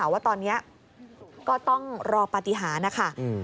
ว่าตอนนี้ก็ต้องรอปหันต์โปรติฮานะคะ